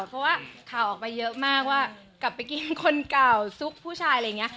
เพราะว่าข่าวออกไปเยอะมากว่ากลับไปกินคนเก่าซุกผู้ชายอะไรอย่างนี้